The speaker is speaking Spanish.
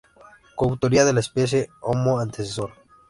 Coautoría de la especie "Homo antecessor".